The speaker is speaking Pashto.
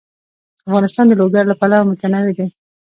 افغانستان د لوگر له پلوه متنوع دی.